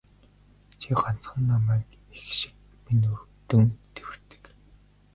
Чи ганцхан намайг эх шиг минь өрөвдөн тэвэрдэг.